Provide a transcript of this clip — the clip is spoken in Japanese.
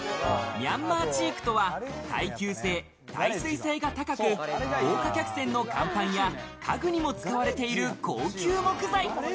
ミャンマーチークとは耐久性、耐水性が高く、豪華客船の甲板や家具にも使われている高級木材。